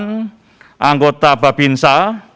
dari anggota babinsa